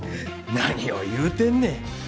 何を言うてんねん。